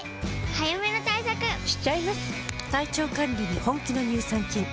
早めの対策しちゃいます。